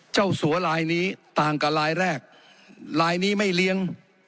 สัวลายนี้ต่างกับลายแรกลายนี้ไม่เลี้ยง